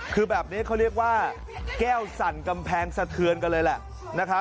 คือแบบนี้เขาเรียกว่าแก้วสั่นกำแพงสะเทือนกันเลยแหละนะครับ